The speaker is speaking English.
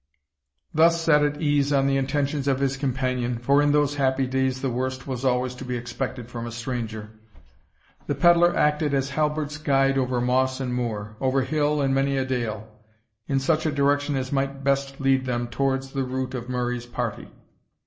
Thus set at ease on the intentions of his companion (for in those happy days the worst was always to be expected from a stranger), the pedlar acted as Halbert's guide over moss and moor, over hill and many a dale, in such a direction as might best lead them towards the route of Murray's party.